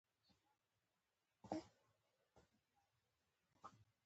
بيا د ګورګورو مېله ده کنه هر کال نه وي څه.